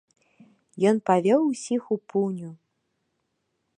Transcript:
Ён павёў усіх у пуню.